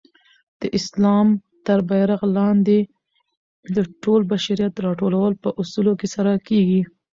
د اسلام تر بیرغ لاندي د ټول بشریت راټولول په اصولو سره کيږي.